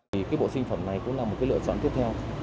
cái bộ sinh phẩm này cũng là một lựa chọn tiếp theo